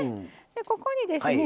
ここにですね